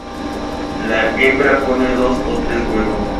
La hembra pone dos a tres huevos.